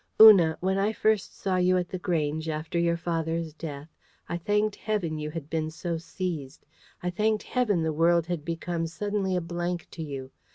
Una, when I first saw you at The Grange after your father's death, I thanked heaven you had been so seized. I thanked heaven the world had become suddenly a blank to you.